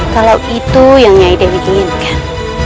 kalau itu yang nyai dewi inginkan